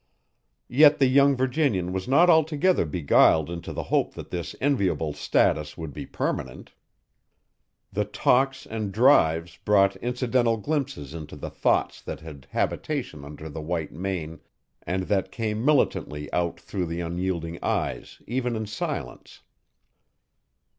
Yet the young Virginian was not altogether beguiled into the hope that this enviable status would be permanent. The talks and drives brought incidental glimpses into the thoughts that had habitation under the white mane and that came militantly out through the unyielding eyes even in silence.